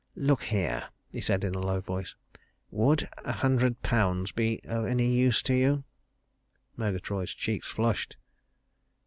"Look here!" he said in a low voice. "Would a hundred pounds be any use to you?" Murgatroyd's cheeks flushed.